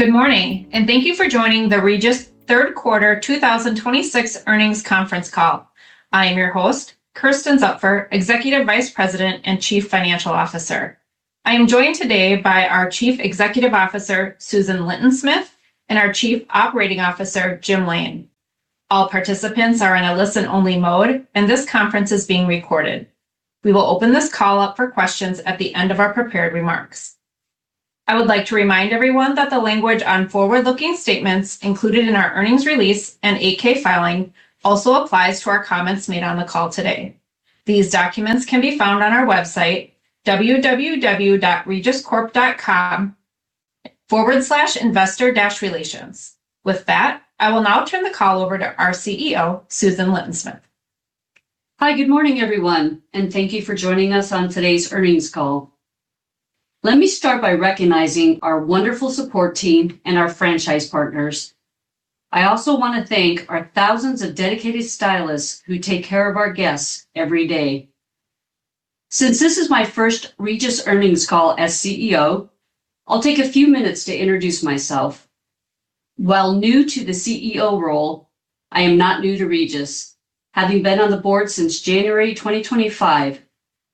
Good morning, thank you for joining the Regis third quarter 2026 earnings conference call. I am your host, Kersten Zupfer, Executive Vice President and Chief Financial Officer. I am joined today by our Chief Executive Officer, Susan Lintonsmith, and our Chief Operating Officer, Jim Lain. All participants are in a listen-only mode, and this conference is being recorded. We will open this call up for questions at the end of our prepared remarks. I would like to remind everyone that the language on forward-looking statements included in our earnings release and Form 8-K filing also applies to our comments made on the call today. These documents can be found on our website, www.regiscorp.com/investor-relations. With that, I will now turn the call over to our CEO, Susan Lintonsmith. Hi. Good morning, everyone, and thank you for joining us on today's earnings call. Let me start by recognizing our wonderful support team and our franchise partners. I also wanna thank our thousands of dedicated stylists who take care of our guests every day. Since this is my first Regis earnings call as CEO, I'll take a few minutes to introduce myself. While new to the CEO role, I am not new to Regis, having been on the board since January 2025,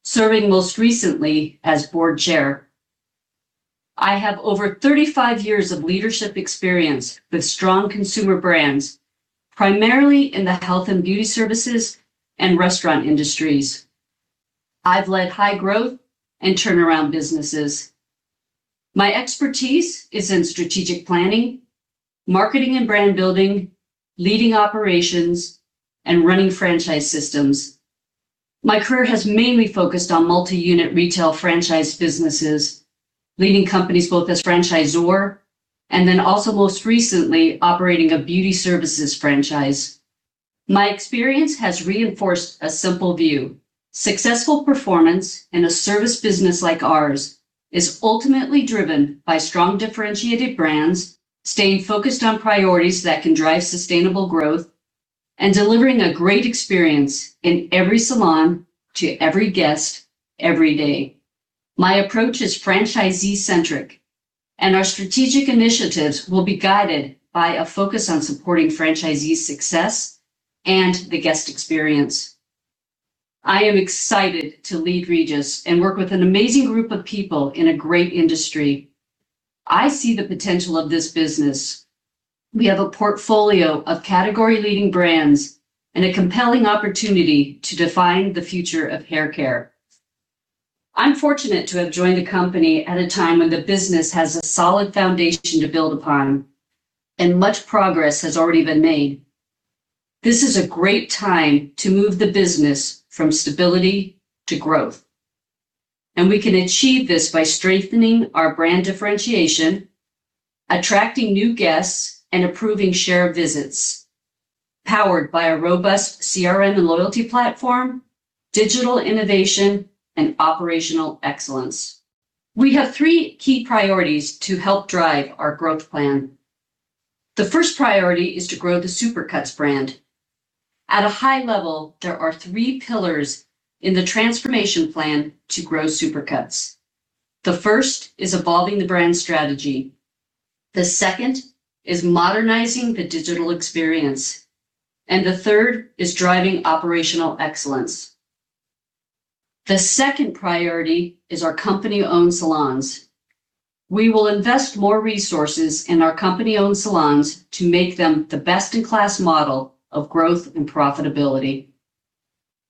serving most recently as Board Chair. I have over 35 years of leadership experience with strong consumer brands, primarily in the health and beauty services and restaurant industries. I've led high growth and turnaround businesses. My expertise is in strategic planning, marketing and brand building, leading operations, and running franchise systems. My career has mainly focused on multi-unit retail franchise businesses, leading companies both as franchisor and then also most recently operating a beauty services franchise. My experience has reinforced a simple view. Successful performance in a service business like ours is ultimately driven by strong differentiated brands, staying focused on priorities that can drive sustainable growth, and delivering a great experience in every salon to every guest every day. My approach is franchisee-centric, and our strategic initiatives will be guided by a focus on supporting franchisees' success and the guest experience. I am excited to lead Regis and work with an amazing group of people in a great industry. I see the potential of this business. We have a portfolio of category leading brands and a compelling opportunity to define the future of hair care. I'm fortunate to have joined the company at a time when the business has a solid foundation to build upon and much progress has already been made. This is a great time to move the business from stability to growth, and we can achieve this by strengthening our brand differentiation, attracting new guests, and improving share visits, powered by a robust CRM and loyalty platform, digital innovation, and operational excellence. We have three key priorities to help drive our growth plan. The first priority is to grow the Supercuts brand. At a high level, there are three pillars in the transformation plan to grow Supercuts. The first is evolving the brand strategy, the second is modernizing the digital experience, and the third is driving operational excellence. The second priority is our company-owned salons. We will invest more resources in our company-owned salons to make them the best-in-class model of growth and profitability.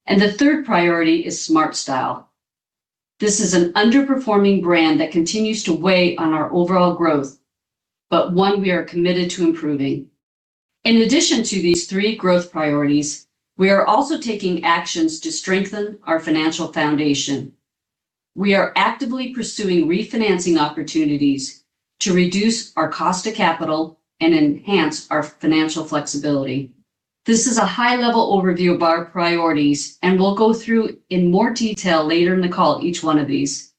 The third priority is SmartStyle. This is an underperforming brand that continues to weigh on our overall growth, but one we are committed to improving. In addition to these three growth priorities, we are also taking actions to strengthen our financial foundation. We are actively pursuing refinancing opportunities to reduce our cost of capital and enhance our financial flexibility. This is a high-level overview of our priorities, and we'll go through in more detail later in the call each one of these.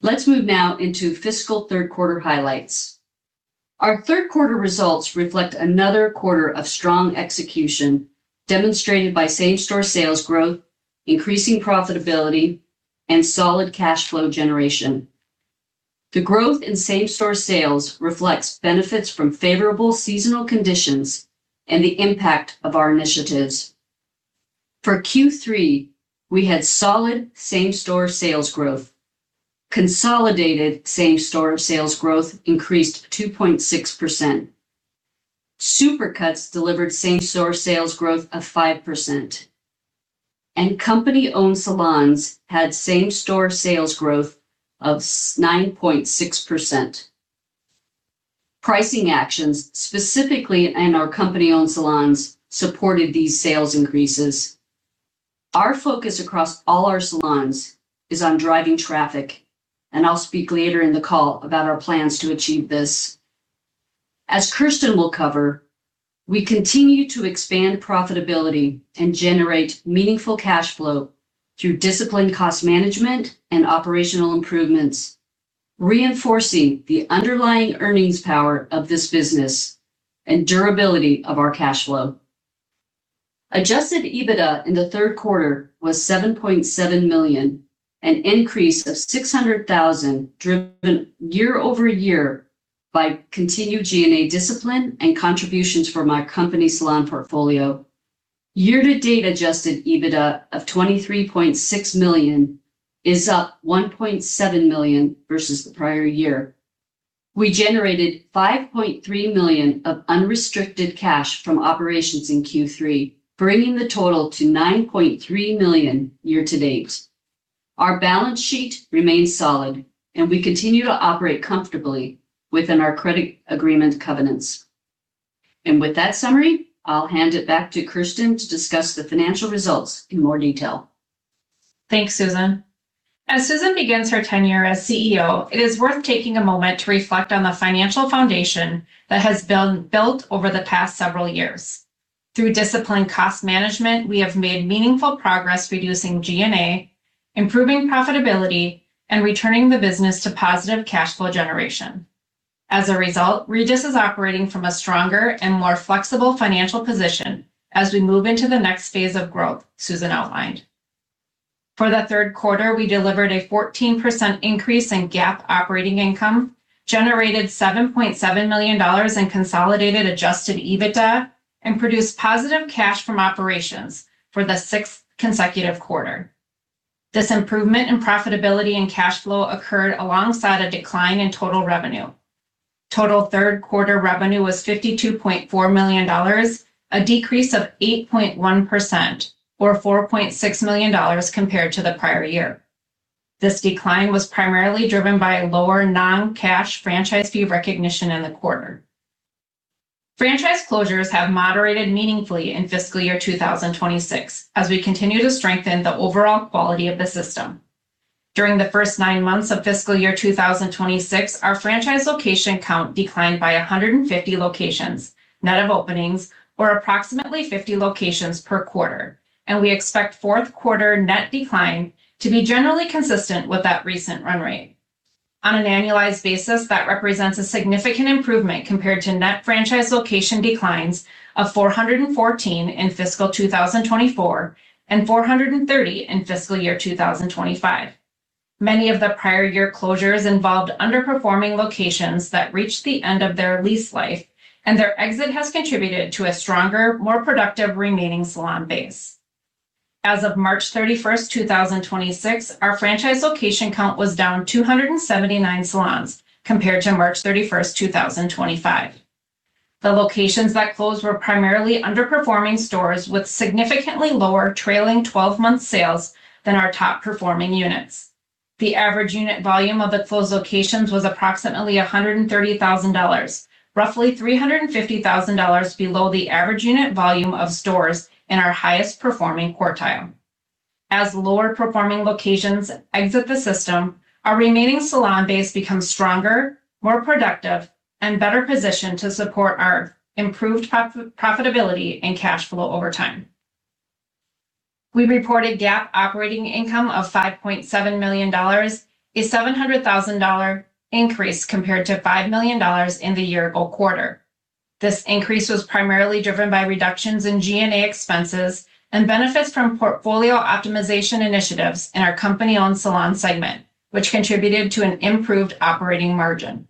Let's move now into fiscal third quarter highlights. Our third quarter results reflect another quarter of strong execution, demonstrated by same-store sales growth, increasing profitability, and solid cash flow generation. The growth in same-store sales reflects benefits from favorable seasonal conditions and the impact of our initiatives. For Q3, we had solid same-store sales growth. Consolidated same-store sales growth increased 2.6%. Supercuts delivered same-store sales growth of 5%, and company-owned salons had same-store sales growth of 9.6%. Pricing actions, specifically in our company-owned salons, supported these sales increases. Our focus across all our salons is on driving traffic, and I'll speak later in the call about our plans to achieve this. As Kersten will cover, we continue to expand profitability and generate meaningful cash flow through disciplined cost management and operational improvements, reinforcing the underlying earnings power of this business and durability of our cash flow. Adjusted EBITDA in the third quarter was $7.7 million, an increase of $600,000 driven year-over-year by continued G&A discipline and contributions from our company salon portfolio. Year-to-date adjusted EBITDA of $23.6 million is up $1.7 million versus the prior year. We generated $5.3 million of unrestricted cash from operations in Q3, bringing the total to $9.3 million year to date. Our balance sheet remains solid, and we continue to operate comfortably within our credit agreement covenants. With that summary, I'll hand it back to Kersten to discuss the financial results in more detail. Thanks, Susan. As Susan begins her tenure as CEO, it is worth taking a moment to reflect on the financial foundation that has been built over the past several years. Through disciplined cost management, we have made meaningful progress reducing G&A, improving profitability, and returning the business to positive cash flow generation. As a result, Regis is operating from a stronger and more flexible financial position as we move into the next phase of growth Susan outlined. For the third quarter, we delivered a 14% increase in GAAP operating income, generated $7.7 million in consolidated adjusted EBITDA, and produced positive cash from operations for the sixth consecutive quarter. This improvement in profitability and cash flow occurred alongside a decline in total revenue. Total third quarter revenue was $52.4 million, a decrease of 8.1% or $4.6 million compared to the prior year. This decline was primarily driven by lower non-cash franchise fee recognition in the quarter. Franchise closures have moderated meaningfully in fiscal year 2026 as we continue to strengthen the overall quality of the system. During the first nine months of fiscal year 2026, our franchise location count declined by 150 locations, net of openings, or approximately 50 locations per quarter, and we expect fourth quarter net decline to be generally consistent with that recent run rate. On an annualized basis, that represents a significant improvement compared to net franchise location declines of 414 in fiscal 2024 and 430 in fiscal year 2025. Many of the prior year closures involved underperforming locations that reached the end of their lease life, and their exit has contributed to a stronger, more productive remaining salon base. As of March 31st, 2026, our franchise location count was down 279 salons compared to March 31st, 2025. The locations that closed were primarily underperforming stores with significantly lower trailing 12-month sales than our top-performing units. The average unit volume of the closed locations was approximately $130,000, roughly $350,000 below the average unit volume of stores in our highest performing quartile. As lower performing locations exit the system, our remaining salon base becomes stronger, more productive, and better positioned to support our improved profitability and cash flow over time. We reported GAAP operating income of $5.7 million, a $700,000 increase compared to $5 million in the year ago quarter. This increase was primarily driven by reductions in G&A expenses and benefits from portfolio optimization initiatives in our company-owned salon segment, which contributed to an improved operating margin.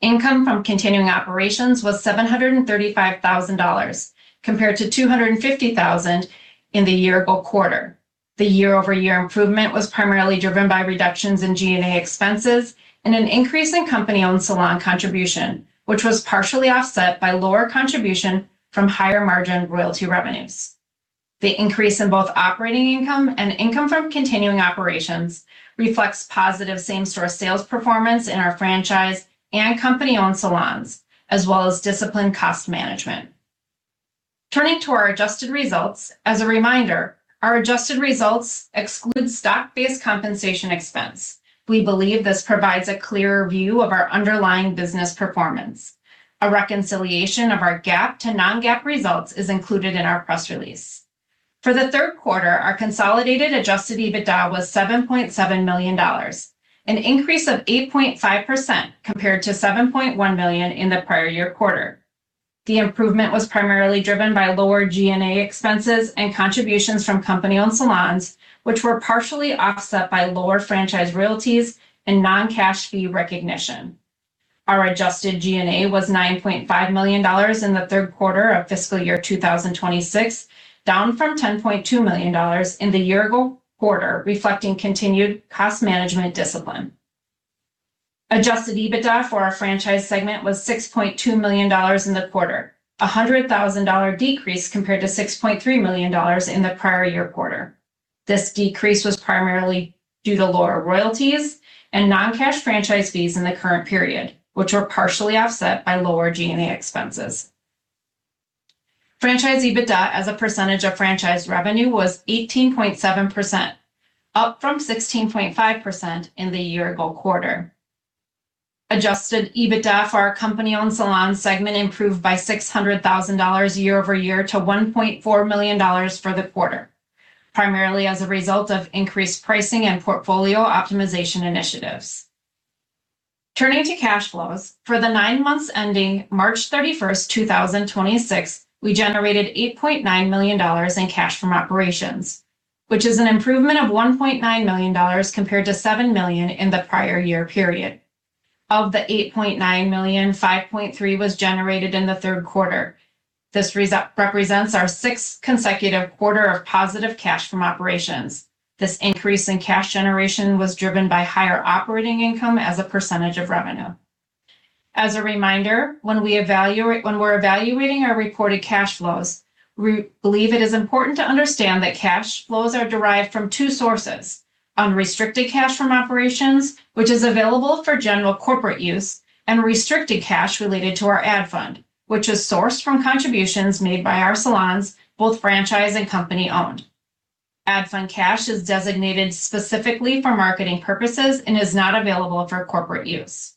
Income from continuing operations was $735,000 compared to $250,000 in the year ago quarter. The year-over-year improvement was primarily driven by reductions in G&A expenses and an increase in company-owned salon contribution, which was partially offset by lower contribution from higher margin royalty revenues. The increase in both operating income and income from continuing operations reflects positive same-store sales performance in our franchise and company-owned salons, as well as disciplined cost management. Turning to our adjusted results, as a reminder, our adjusted results exclude stock-based compensation expense. We believe this provides a clearer view of our underlying business performance. A reconciliation of our GAAP to non-GAAP results is included in our press release. For the third quarter, our consolidated adjusted EBITDA was $7.7 million, an increase of 8.5% compared to $7.1 million in the prior-year quarter. The improvement was primarily driven by lower G&A expenses and contributions from company-owned salons, which were partially offset by lower franchise royalties and non-cash fee recognition. Our adjusted G&A was $9.5 million in the third quarter of fiscal year 2026, down from $10.2 million in the year-ago quarter, reflecting continued cost management discipline. Adjusted EBITDA for our franchise segment was $6.2 million in the quarter, a $100,000 decrease compared to $6.3 million in the prior year quarter. This decrease was primarily due to lower royalties and non-cash franchise fees in the current period, which were partially offset by lower G&A expenses. Franchise EBITDA as a percentage of franchise revenue was 18.7%, up from 16.5% in the year ago quarter. Adjusted EBITDA for our company-owned salon segment improved by $600,000 year-over-year to $1.4 million for the quarter, primarily as a result of increased pricing and portfolio optimization initiatives. Turning to cash flows, for the nine months ending March 31st, 2026, we generated $8.9 million in cash from operations, which is an improvement of $1.9 million compared to $7 million in the prior year period. Of the $8.9 million, $5.3 was generated in the third quarter. This represents our sixth consecutive quarter of positive cash from operations. This increase in cash generation was driven by higher operating income as a percentage of revenue. As a reminder, when we're evaluating our reported cash flows, we believe it is important to understand that cash flows are derived from two sources, unrestricted cash from operations, which is available for general corporate use, and restricted cash related to our ad fund, which is sourced from contributions made by our salons, both franchise and company-owned. Ad fund cash is designated specifically for marketing purposes and is not available for corporate use.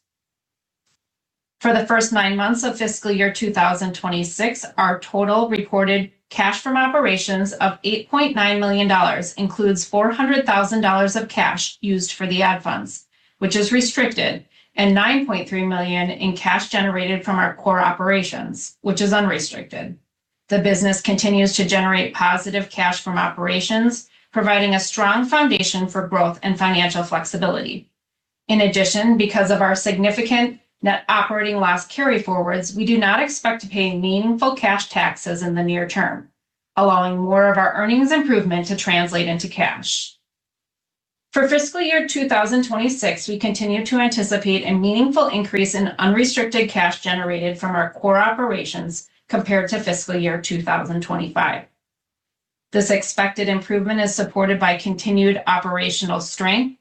For the first nine months of fiscal year 2026, our total reported cash from operations of $8.9 million includes $400,000 of cash used for the ad funds, which is restricted, and $9.3 million in cash generated from our core operations, which is unrestricted. The business continues to generate positive cash from operations, providing a strong foundation for growth and financial flexibility. In addition, because of our significant net operating loss carryforwards, we do not expect to pay meaningful cash taxes in the near term, allowing more of our earnings improvement to translate into cash. For fiscal year 2026, we continue to anticipate a meaningful increase in unrestricted cash generated from our core operations compared to fiscal year 2025. This expected improvement is supported by continued operational strength,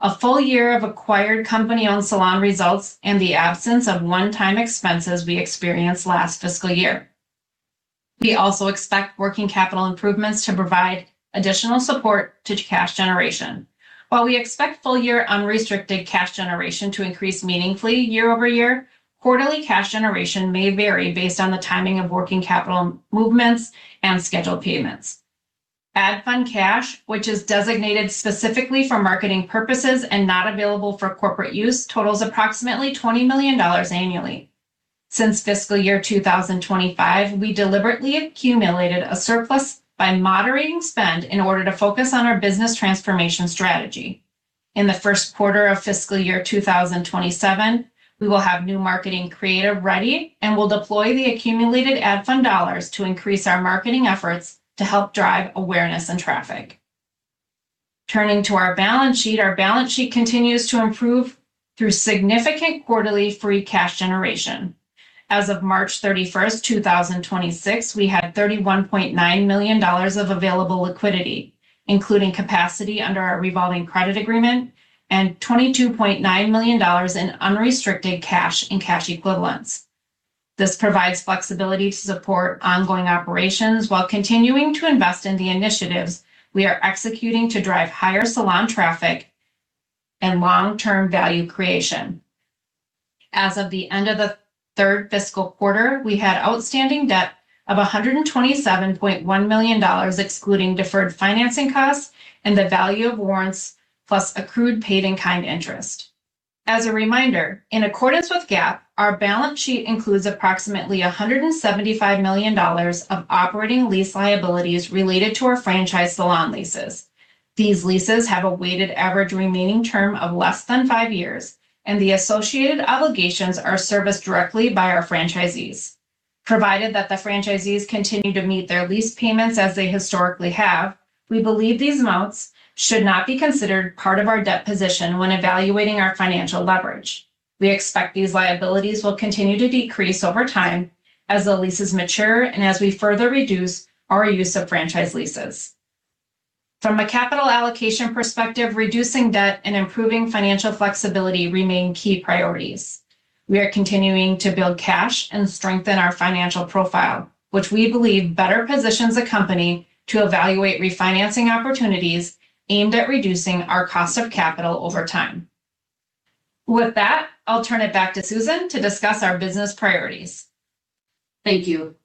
a full-year of acquired company-owned salon results, and the absence of one-time expenses we experienced last fiscal year. We also expect working capital improvements to provide additional support to cash generation. While we expect full-year unrestricted cash generation to increase meaningfully year-over-year, quarterly cash generation may vary based on the timing of working capital movements and scheduled payments. Ad fund cash, which is designated specifically for marketing purposes and not available for corporate use, totals approximately $20 million annually. Since fiscal year 2025, we deliberately accumulated a surplus by moderating spend in order to focus on our business transformation strategy. In the first quarter of fiscal year 2027, we will have new marketing creative ready, and we'll deploy the accumulated ad fund dollars to increase our marketing efforts to help drive awareness and traffic. Turning to our balance sheet, our balance sheet continues to improve through significant quarterly free cash generation. As of March 31st, 2026, we had $31.9 million of available liquidity, including capacity under our revolving credit agreement and $22.9 million in unrestricted cash and cash equivalents. This provides flexibility to support ongoing operations while continuing to invest in the initiatives we are executing to drive higher salon traffic and long-term value creation. As of the end of the third fiscal quarter, we had outstanding debt of $127.1 million, excluding deferred financing costs and the value of warrants plus accrued paid in kind interest. As a reminder, in accordance with GAAP, our balance sheet includes approximately $175 million of operating lease liabilities related to our franchise salon leases. These leases have a weighted average remaining term of less than five years, and the associated obligations are serviced directly by our franchisees. Provided that the franchisees continue to meet their lease payments as they historically have, we believe these amounts should not be considered part of our debt position when evaluating our financial leverage. We expect these liabilities will continue to decrease over time as the leases mature and as we further reduce our use of franchise leases. From a capital allocation perspective, reducing debt and improving financial flexibility remain key priorities. We are continuing to build cash and strengthen our financial profile, which we believe better positions the company to evaluate refinancing opportunities aimed at reducing our cost of capital over time. With that, I'll turn it back to Susan to discuss our business priorities. Thank you.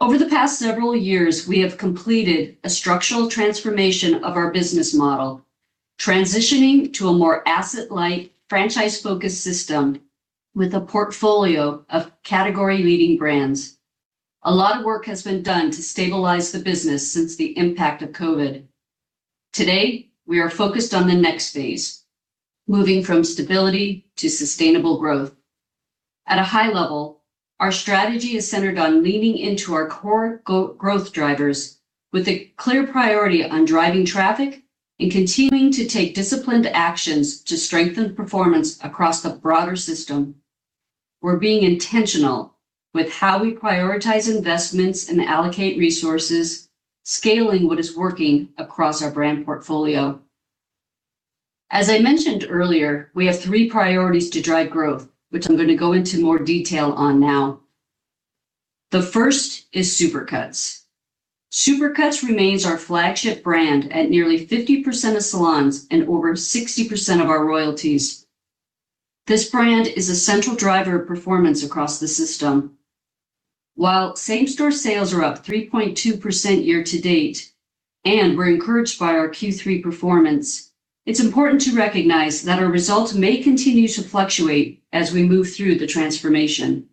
Over the past several years, we have completed a structural transformation of our business model, transitioning to a more asset-light, franchise-focused system with a portfolio of category-leading brands. A lot of work has been done to stabilize the business since the impact of COVID. Today, we are focused on the next phase, moving from stability to sustainable growth. At a high level, our strategy is centered on leaning into our core growth drivers with a clear priority on driving traffic and continuing to take disciplined actions to strengthen performance across the broader system. We're being intentional with how we prioritize investments and allocate resources, scaling what is working across our brand portfolio. As I mentioned earlier, we have three priorities to drive growth, which I'm going to go into more detail on now. The first is Supercuts. Supercuts remains our flagship brand at nearly 50% of salons and over 60% of our royalties. This brand is a central driver of performance across the system. While same-store sales are up 3.2% year to date, and we're encouraged by our Q3 performance, it's important to recognize that our results may continue to fluctuate as we move through the transformation.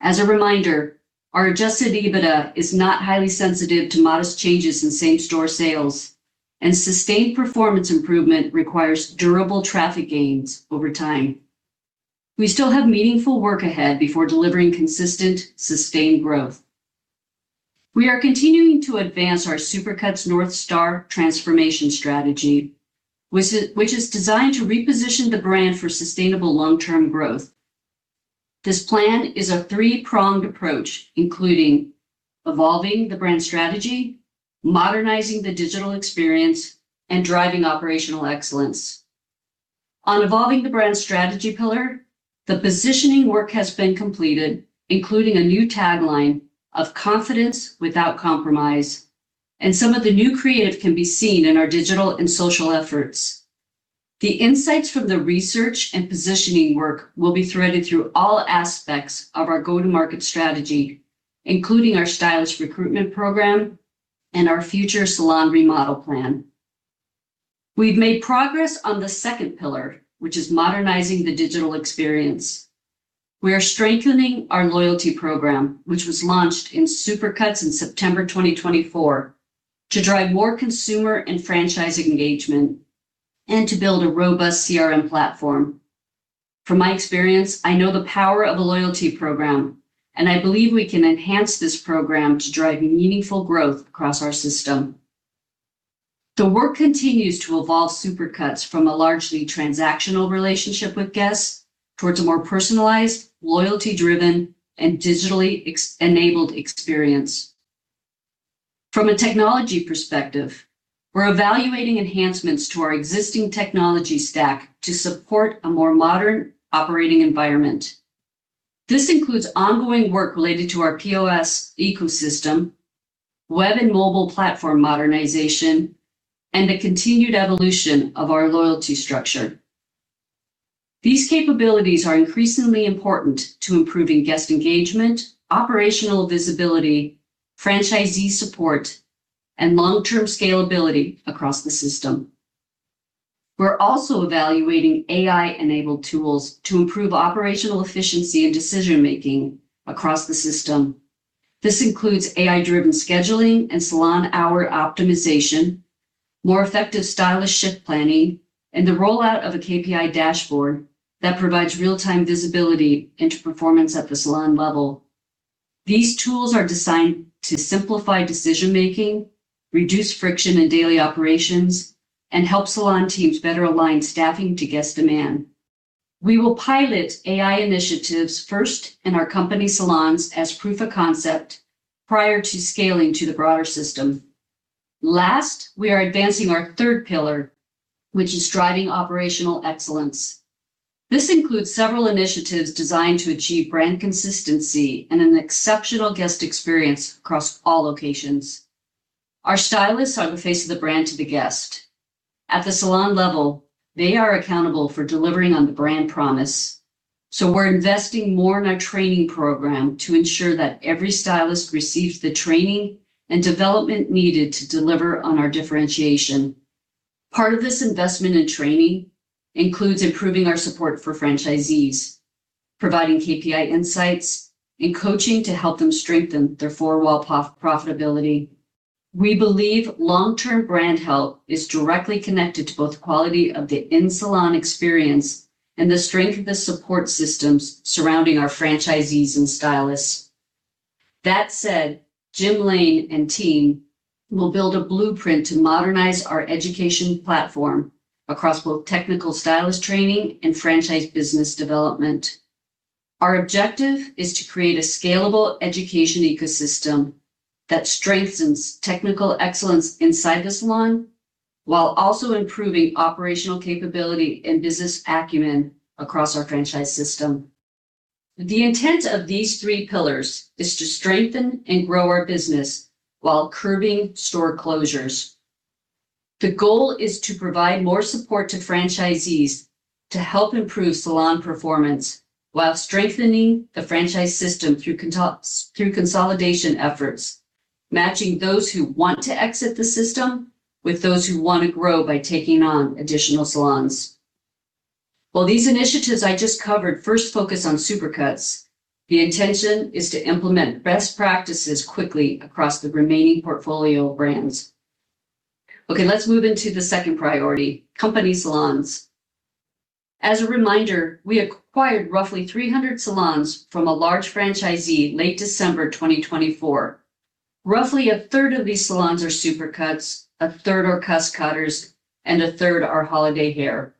As a reminder, our adjusted EBITDA is not highly sensitive to modest changes in same-store sales, and sustained performance improvement requires durable traffic gains over time. We still have meaningful work ahead before delivering consistent, sustained growth. We are continuing to advance our Supercuts North Star transformation strategy, which is designed to reposition the brand for sustainable long-term growth. This plan is a three-pronged approach, including evolving the brand strategy, modernizing the digital experience, and driving operational excellence. On evolving the brand strategy pillar, the positioning work has been completed, including a new tagline of "Confidence Without Compromise," and some of the new creative can be seen in our digital and social efforts. The insights from the research and positioning work will be threaded through all aspects of our go-to-market strategy, including our stylish recruitment program and our future salon remodel plan. We've made progress on the second pillar, which is modernizing the digital experience. We are strengthening our loyalty program, which was launched in Supercuts in September 2024, to drive more consumer and franchise engagement and to build a robust CRM platform. From my experience, I know the power of a loyalty program, and I believe we can enhance this program to drive meaningful growth across our system. The work continues to evolve Supercuts from a largely transactional relationship with guests towards a more personalized, loyalty-driven, and digitally enabled experience. From a technology perspective, we're evaluating enhancements to our existing technology stack to support a more modern operating environment. This includes ongoing work related to our POS ecosystem, web and mobile platform modernization, and a continued evolution of our loyalty structure. These capabilities are increasingly important to improving guest engagement, operational visibility, franchisee support, and long-term scalability across the system. We're also evaluating AI-enabled tools to improve operational efficiency and decision-making across the system. This includes AI-driven scheduling and salon hour optimization, more effective stylist shift planning, and the rollout of a KPI dashboard that provides real-time visibility into performance at the salon level. These tools are designed to simplify decision-making, reduce friction in daily operations, and help salon teams better align staffing to guest demand. We will pilot AI initiatives first in our company salons as proof of concept prior to scaling to the broader system. Last, we are advancing our third pillar, which is driving operational excellence. This includes several initiatives designed to achieve brand consistency and an exceptional guest experience across all locations. Our stylists are the face of the brand to the guest. At the salon level, they are accountable for delivering on the brand promise, so we're investing more in our training program to ensure that every stylist receives the training and development needed to deliver on our differentiation. Part of this investment in training includes improving our support for franchisees, providing KPI insights, and coaching to help them strengthen their four-wall profitability. We believe long-term brand health is directly connected to both quality of the in-salon experience and the strength of the support systems surrounding our franchisees and stylists. That said, Jim Lain and team will build a blueprint to modernize our education platform across both technical stylist training and franchise business development. Our objective is to create a scalable education ecosystem that strengthens technical excellence inside the salon while also improving operational capability and business acumen across our franchise system. The intent of these three pillars is to strengthen and grow our business while curbing store closures. The goal is to provide more support to franchisees to help improve salon performance while strengthening the franchise system through consolidation efforts, matching those who want to exit the system with those who want to grow by taking on additional salons. While these initiatives I just covered first focus on Supercuts, the intention is to implement best practices quickly across the remaining portfolio brands. Let's move into the second priority, company salons. As a reminder, we acquired roughly 300 salons from a large franchisee late December 2024. Roughly 1/3 of these salons are Supercuts, 1/3 are Cost Cutters, and 1/3 are Holiday Hair.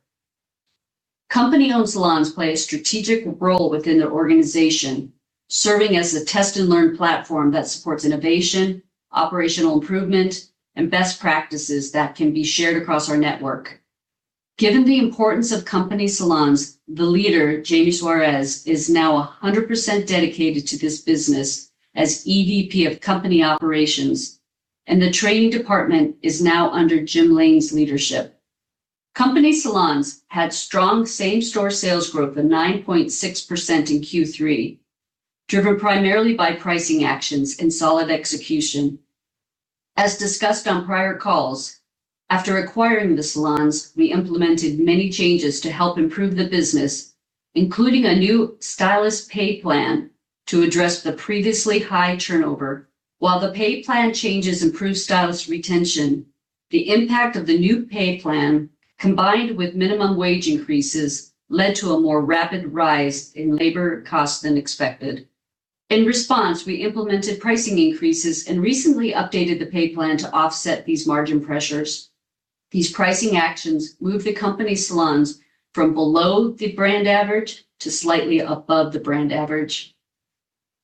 Company-owned salons play a strategic role within the organization, serving as a test and learn platform that supports innovation, operational improvement, and best practices that can be shared across our network. Given the importance of company salons, the leader, Jamie Suarez, is now 100% dedicated to this business as EVP of Company Operations, and the training department is now under Jim Lain's leadership. Company salons had strong same-store sales growth of 9.6% in Q3, driven primarily by pricing actions and solid execution. As discussed on prior calls, after acquiring the salons, we implemented many changes to help improve the business, including a new stylist pay plan to address the previously high turnover. While the pay plan changes improved stylist retention, the impact of the new pay plan, combined with minimum wage increases, led to a more rapid rise in labor cost than expected. In response, we implemented pricing increases and recently updated the pay plan to offset these margin pressures. These pricing actions moved the company salons from below the brand average to slightly above the brand average.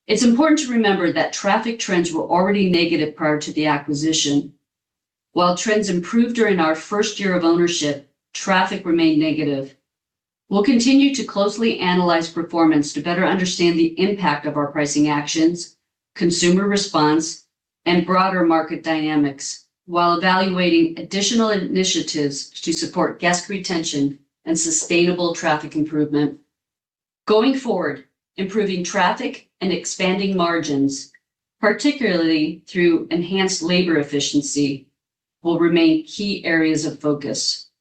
It's important to remember that traffic trends were already negative prior to the acquisition. While trends improved during our first year of ownership, traffic remained negative. We'll continue to closely analyze performance to better understand the impact of our pricing actions, consumer response, and broader market dynamics while evaluating additional initiatives to support guest retention and sustainable traffic improvement. Going forward, improving traffic and expanding margins, particularly through enhanced labor efficiency, will remain key areas of focus.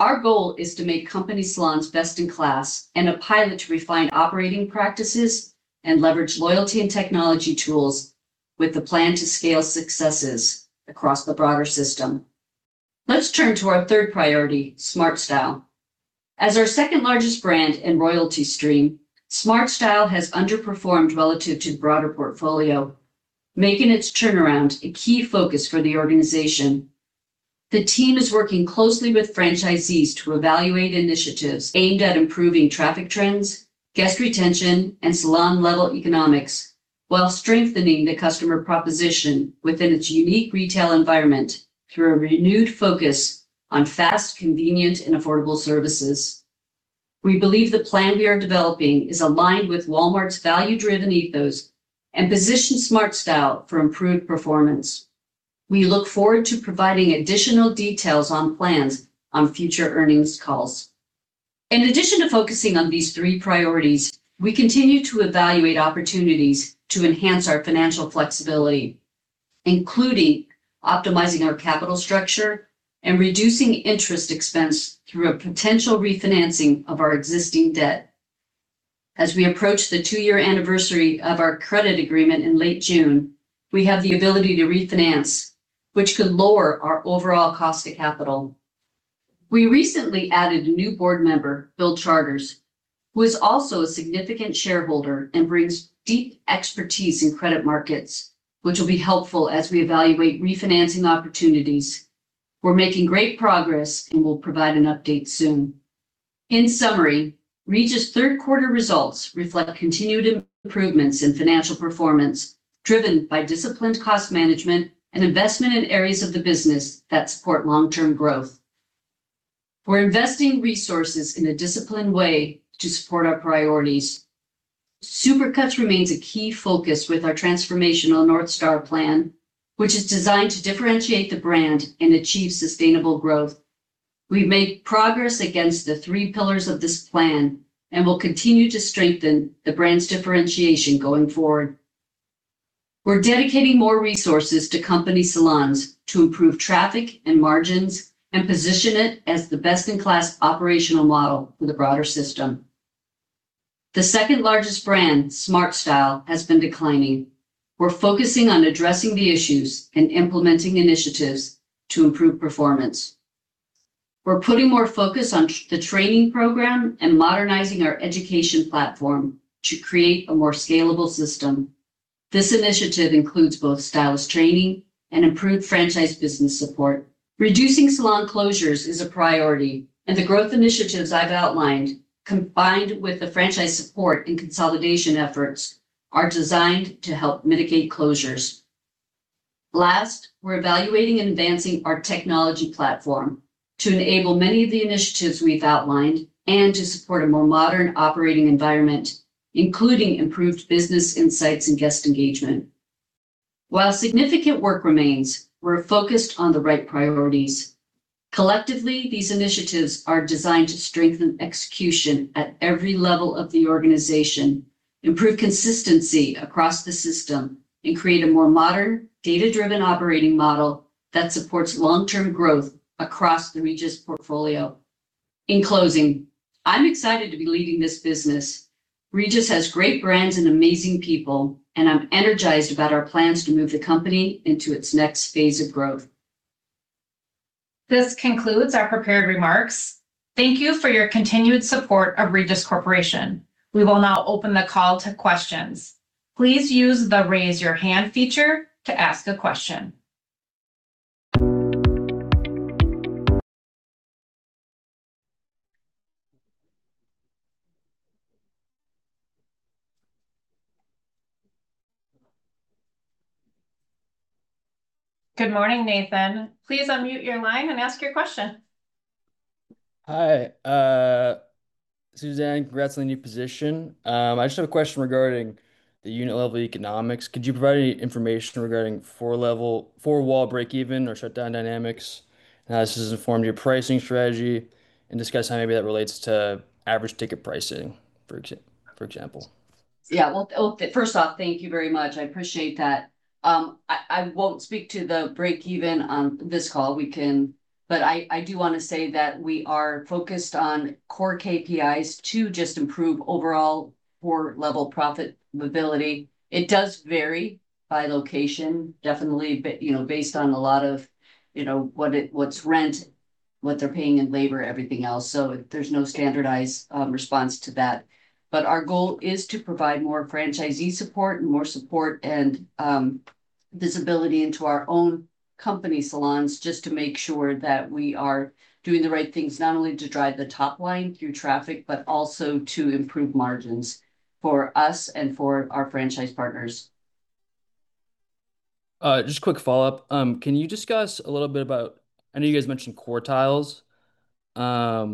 Our goal is to make company salons best in class and a pilot to refine operating practices and leverage loyalty and technology tools with the plan to scale successes across the broader system. Let's turn to our third priority, SmartStyle. As our second-largest brand in royalty stream, SmartStyle has underperformed relative to broader portfolio, making its turnaround a key focus for the organization. The team is working closely with franchisees to evaluate initiatives aimed at improving traffic trends, guest retention, and salon-level economics while strengthening the customer proposition within its unique retail environment through a renewed focus on fast, convenient, and affordable services. We believe the plan we are developing is aligned with Walmart's value-driven ethos and positions SmartStyle for improved performance. We look forward to providing additional details on plans on future earnings calls. In addition to focusing on these three priorities, we continue to evaluate opportunities to enhance our financial flexibility, including optimizing our capital structure and reducing interest expense through a potential refinancing of our existing debt. As we approach the two-year anniversary of our credit agreement in late June, we have the ability to refinance, which could lower our overall cost of capital. We recently added a new board member, Bill Charters, who is also a significant shareholder and brings deep expertise in credit markets, which will be helpful as we evaluate refinancing opportunities. We're making great progress, and we'll provide an update soon. In summary, Regis' third quarter results reflect continued improvements in financial performance, driven by disciplined cost management and investment in areas of the business that support long-term growth. We're investing resources in a disciplined way to support our priorities. Supercuts remains a key focus with our transformational North Star plan, which is designed to differentiate the brand and achieve sustainable growth. We've made progress against the three pillars of this plan and will continue to strengthen the brand's differentiation going forward. We're dedicating more resources to company salons to improve traffic and margins and position it as the best-in-class operational model for the broader system. The second-largest brand, SmartStyle, has been declining. We're focusing on addressing the issues and implementing initiatives to improve performance. We're putting more focus on the training program and modernizing our education platform to create a more scalable system. This initiative includes both stylist training and improved franchise business support. Reducing salon closures is a priority, and the growth initiatives I've outlined, combined with the franchise support and consolidation efforts, are designed to help mitigate closures. Last, we're evaluating and advancing our technology platform to enable many of the initiatives we've outlined and to support a more modern operating environment, including improved business insights and guest engagement. While significant work remains, we're focused on the right priorities. Collectively, these initiatives are designed to strengthen execution at every level of the organization, improve consistency across the system, and create a more modern, data-driven operating model that supports long-term growth across the Regis portfolio. In closing, I'm excited to be leading this business. Regis has great brands and amazing people, and I'm energized about our plans to move the company into its next phase of growth. This concludes our prepared remarks. Thank you for your continued support of Regis Corporation. We will now open the call to questions. Please use the raise your hand feature to ask a question. Good morning, Nathan. Please unmute your line and ask your question. Hi, Susan, congrats on the new position. I just have a question regarding the unit level economics. Could you provide any information regarding four-wall break even or shutdown dynamics, and how this has informed your pricing strategy? Discuss how maybe that relates to average ticket pricing, for example. Yeah. Well, first off, thank you very much. I appreciate that. I won't speak to the break even on this call. We can I do want to say that we are focused on core KPIs to just improve overall core level profitability. It does vary by location, definitely, you know, based on a lot of, you know, what it, what's rent, what they're paying in labor, everything else. There's no standardized response to that. Our goal is to provide more franchisee support and more support and visibility into our own company salons just to make sure that we are doing the right things, not only to drive the top line through traffic, but also to improve margins for us and for our franchise partners. Just a quick follow-up. Can you discuss a little bit about I know you guys mentioned quartiles? Can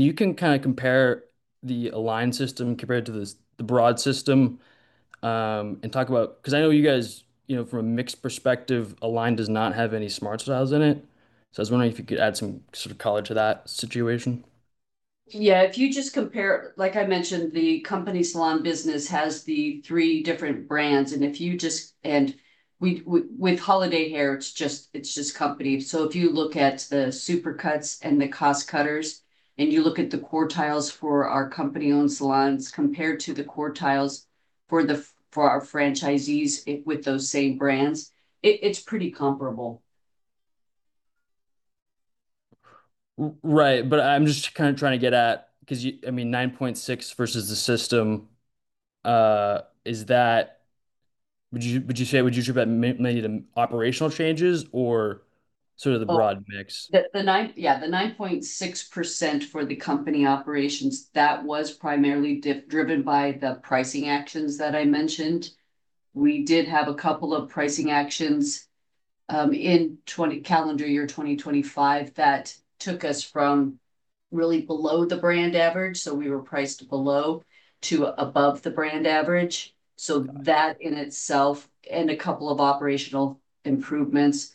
you kind of compare the Aligned system compared to this, the Broad system, and talk about Because I know you guys, you know, from a mixed perspective, Aligned does not have any SmartStyle in it. I was wondering if you could add some sort of color to that situation. Yeah. If you just compare, like I mentioned, the company salon business has the three different brands. We with Holiday Hair, it's just company. If you look at the Supercuts and the Cost Cutters, and you look at the quartiles for our company-owned salons compared to the quartiles for our franchisees with those same brands, it's pretty comparable. Right. I'm just kind of trying to get at, because you, I mean, 9.6% versus the system, is that Would you, would you say, would you attribute maybe to operational changes or sort of the broad mix? Well, the 9.6% for the company operations, that was primarily driven by the pricing actions that I mentioned. We did have a couple of pricing actions, in calendar year 2025 that took us from really below the brand average, so we were priced below, to above the brand average. That in itself and a couple of operational improvements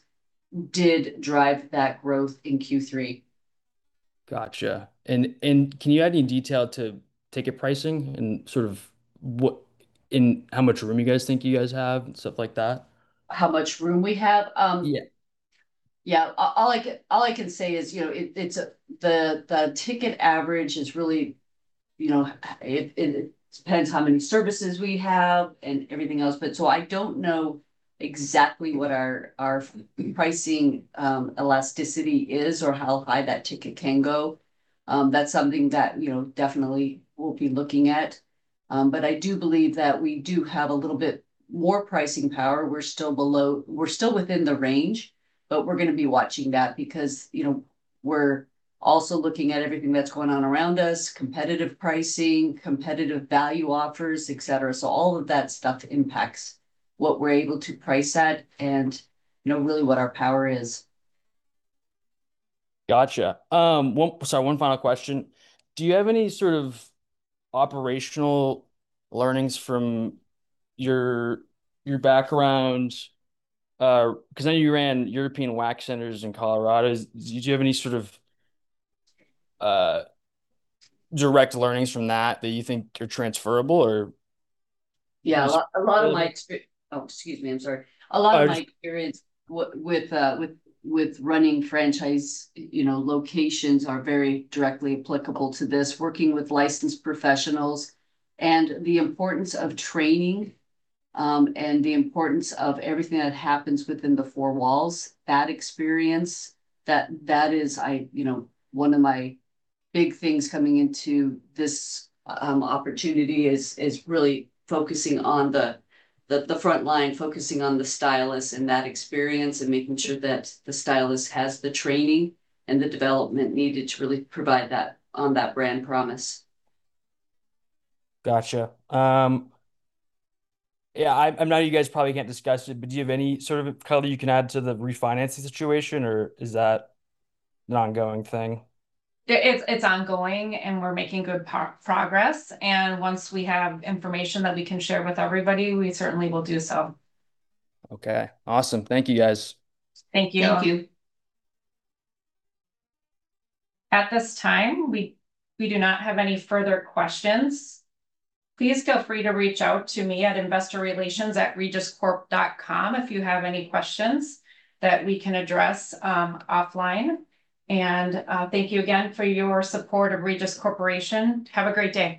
did drive that growth in Q3. Gotcha. Can you add any detail to ticket pricing and sort of what, and how much room you guys think you guys have and stuff like that? How much room we have? Yeah. Yeah. All I can say is, you know, the ticket average is really, you know, it depends how many services we have and everything else. I don't know exactly what our pricing elasticity is or how high that ticket can go. That's something that, you know, definitely we'll be looking at. I do believe that we do have a little bit more pricing power. We're still within the range, we're going to be watching that because, you know, we're also looking at everything that's going on around us, competitive pricing, competitive value offers, et cetera. All of that stuff impacts what we're able to price at and, you know, really what our power is. Gotcha. one, sorry, one final question. Do you have any sort of operational learnings from your background? because I know you ran European Wax Center in Colorado. Do you have any sort of direct learnings from that that you think are transferable or- Yeah. Oh, excuse me. I'm sorry. No. A lot of my experience with running franchise, you know, locations are very directly applicable to this, working with licensed professionals and the importance of training, and the importance of everything that happens within the four walls. That experience, that is, I, you know, one of my big things coming into this opportunity is really focusing on the front line, focusing on the stylist and that experience and making sure that the stylist has the training and the development needed to really provide that, on that brand promise. Gotcha. Yeah. I know you guys probably can't discuss it, but do you have any sort of color you can add to the refinancing situation, or is that an ongoing thing? It's ongoing. We're making good progress. Once we have information that we can share with everybody, we certainly will do so. Okay. Awesome. Thank you, guys. Thank you. Thank you. At this time, we do not have any further questions. Please feel free to reach out to me at investorrelations@regiscorp.com if you have any questions that we can address offline. Thank you again for your support of Regis Corporation. Have a great day.